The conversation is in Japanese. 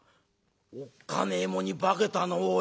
「おっかねえもんに化けたなおい。